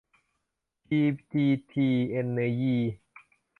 พีทีจี เอ็นเนอยี